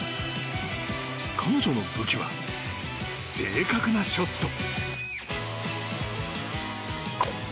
彼女の武器は正確なショット。